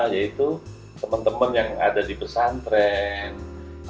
yaitu temen temen yang ada di pesantren